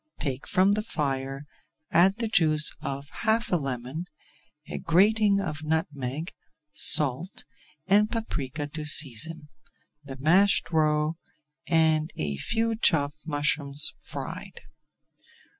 Take from the fire, add the juice of half a lemon, a grating of nutmeg, salt and paprika to season, the mashed roe, and a few chopped mushrooms fried.